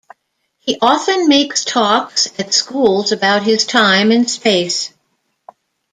He often makes talks at schools about his time in space.